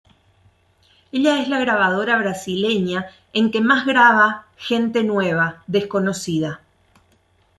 Ella es la grabadora brasileña en que más graba gente nueva, desconocida.